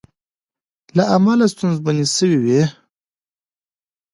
له امله ستونزمنې شوې وې